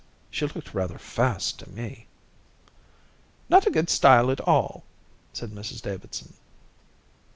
She looked rather fast to me." "Not good style at all," said Mrs Davidson.